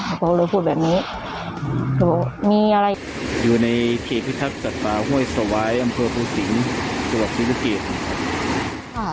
เขาเลยพูดแบบนี้เขาบอกมีอะไรอยู่ในเขตพิทักษ์จัดป่าเฮ้ยสวายอำเภอภูสิงส์สวัสดิ์ประเทศ